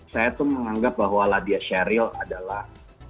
saya tuh menganggap bahwa ladiah sheryl adalah